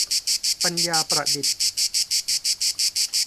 ปัญญาประดิษฐ์